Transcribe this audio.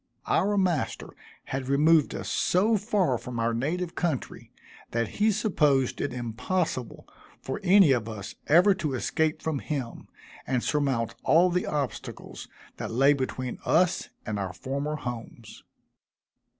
Our master had removed us so far from our native country, that he supposed it impossible for any of us ever to escape from him, and surmount all the obstacles that lay between us and our former homes.